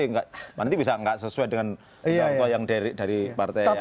nanti bisa nggak sesuai dengan ketua yang dari partai yang lain